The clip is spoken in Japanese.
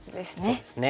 そうですね。